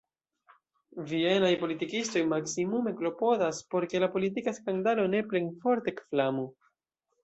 Vienaj politikistoj maksimume klopodas, por ke la politika skandalo ne plenforte ekflamu.